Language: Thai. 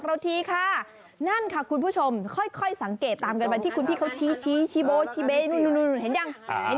เห็ดยักษ์คุณมันอะไรถึง